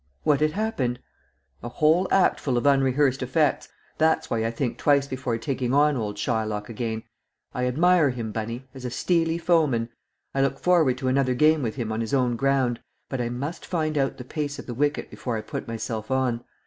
"What had happened?" "A whole actful of unrehearsed effects; that's why I think twice before taking on old Shylock again. I admire him, Bunny, as a steely foeman. I look forward to another game with him on his own ground. But I must find out the pace of the wicket before I put myself on."